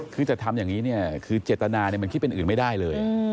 คือจะทำอย่างนี้เนี่ยคือเจตนามันคิดเป็นอื่นไม่ได้เลย